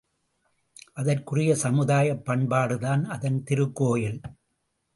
அதற்குரிய சமுதாயப் பண்பாடுதான் அதன் திருக்கோயில்!